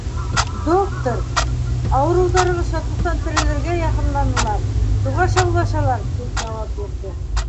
— Доктор, ауырыуҙарығыҙ шатлыҡтан терелергә яҡынланылар, шуға шаулашалар, — тип яуап бирҙе.